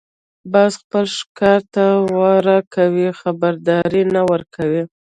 باز خپل ښکار ته وار کوي، خبرداری نه ورکوي